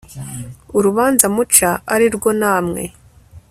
urubanza muca ari rwo namwe